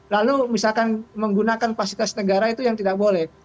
lalu misalkan menggunakan fasilitas negara itu yang tidak boleh